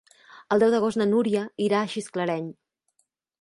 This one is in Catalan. El deu d'agost na Dúnia irà a Gisclareny.